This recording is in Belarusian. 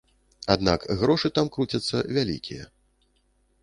Аднак грошы там круцяцца вялікія.